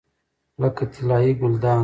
لکه طلایي ګلدان.